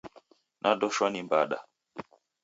Nadoshwa ni mbada.